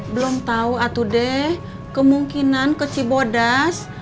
belum tau atu deh kemungkinan ke cibodas